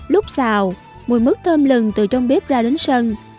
lúc xào mùi mức thơm lừng từ trong bếp ra đến sân